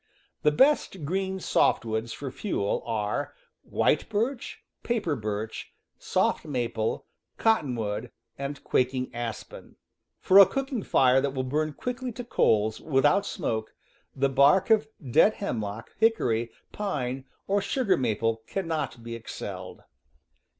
The best green soft woods for fuel are white birch, paper birch, soft maple, Cottonwood, and quaking aspen. For a cooking fire that will burn quickly to coals, without smoke, the bark of dead hemlock, hickory, pine, or sugar maple cannot be excelled.